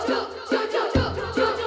siti berusaha berjalan